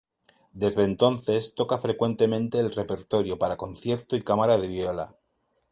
Desde entonces, toca frecuentemente el repertorio para concierto y cámara de viola.